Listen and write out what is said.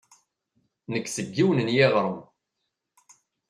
Nekk seg yiwen n yiɣrem.